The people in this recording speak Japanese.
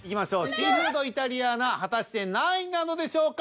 シーフードイタリアーナ果たして何位なのでしょうか？